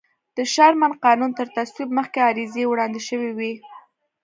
د شرمن قانون تر تصویب مخکې عریضې وړاندې شوې وې.